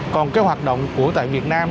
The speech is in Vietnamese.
còn cái hoạt động của tại việt nam